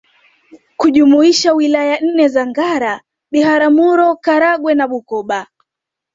kujumuisha Wilaya nne za Ngara Biharamuro Karagwe na Bukoba